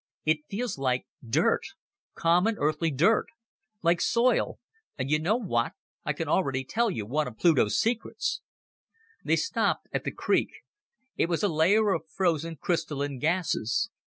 "It feels like dirt common, Earthly dirt. Like soil. And you know what ... I can already tell you one of Pluto's secrets." They stopped at the creek. It was a layer of frozen crystalline gases.